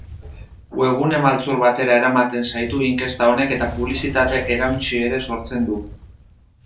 Webgune maltzur batera eramaten zaitu inkesta honek eta publizitate-erauntsi ere sortzen du.